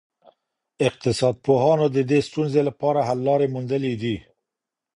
اقتصاد پوهانو د دې ستونزي لپاره حل لاري موندلي دي.